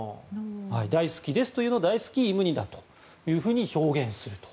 大好きですというのをダイスキ・イムニダと表現すると。